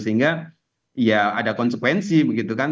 sehingga ya ada konsekuensi begitu kan